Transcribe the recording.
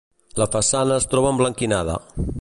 La façana es troba emblanquinada.